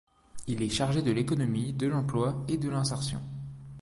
Il est chargé de l'économie, de l'emploi et de l'insertion.